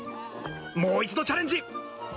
もう一度チャレンジ。